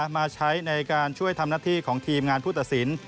มาใช้ในการช่วยทำหน้าที่ของทีมงานผู้ตัดสิน